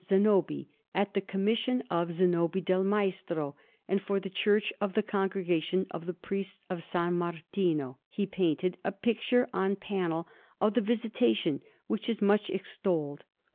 Zanobi, at the commission of Zanobi del Maestro; and for the Church of the Congregation of the Priests of S. Martino, he painted a picture on panel of the Visitation, which is much extolled.